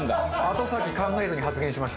後先考えずに発言しました。